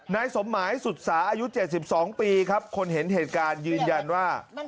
นายสมหมายสุดสาอายุ๗๒ปีครับคนเห็นเหตุการณ์ยืนยันว่า